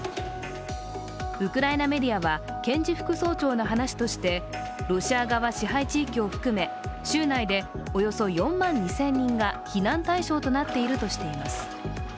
ウクライナメディアは検事副総長の話としてロシア側支配地域を含め、州内でおよそ４万２０００人が避難対象となっているとしています。